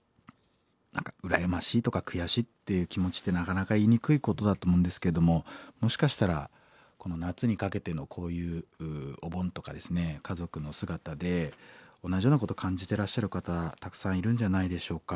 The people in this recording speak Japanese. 羨ましいとか悔しいっていう気持ちってなかなか言いにくいことだと思うんですけどももしかしたらこの夏にかけてのこういうお盆とかですね家族の姿で同じようなこと感じてらっしゃる方たくさんいるんじゃないでしょうか。